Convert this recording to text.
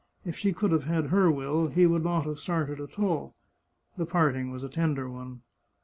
If she could have had her will he would not have started at all. The parting was a tender one.